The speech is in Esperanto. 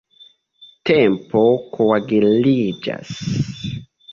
Tempo koaguliĝas.